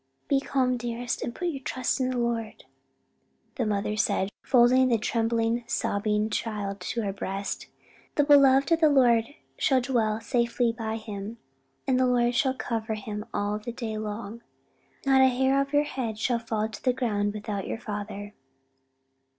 "Be calm, dearest, and put your trust in the Lord," the mother said, folding the trembling, sobbing child to her breast. "'The beloved of the Lord shall dwell in safety by him, and the Lord shall cover him all the day long.' 'Not an hair of your head shall fall to the ground without your Father.'"